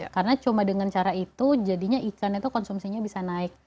karena cuma dengan cara itu jadinya ikan itu konsumsinya bisa naik